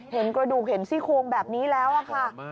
เห็นกระดูกเห็นซี่โคงแบบนี้แล้วค่ะ